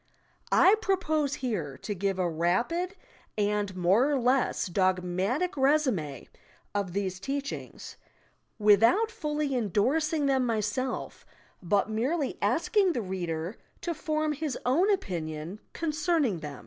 I propose here to give a rapid and more or less dogmatic resumi of these teachings — without fully endorsing them myself, but merely asking the reader to form his own opinion concerning them.